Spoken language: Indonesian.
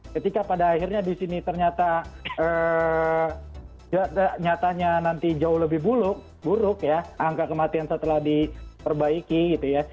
ketika pada akhirnya di sini ternyata nyatanya nanti jauh lebih buruk ya angka kematian setelah diperbaiki gitu ya